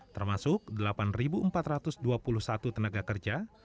termasuk delapan empat ratus dua puluh satu tenaga kerja